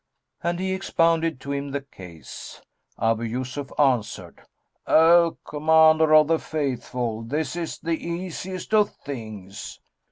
And he expounded to him the case. Abu Yusuf answered, "O Commander of the Faithful, this is the easiest of things."